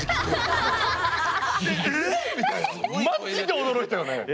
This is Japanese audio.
まじで驚いたよね。